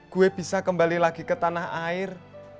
gue bisa kembali lagi ke tanah air